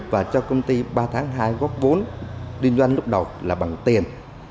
và cho công ty ba tháng hai góp vốn đi doanh lúc đầu là bằng tiền